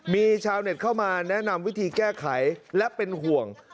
มีชาวเน็ตเข้ามาแนะนำวิธีแก้ไขและเป็นห่วง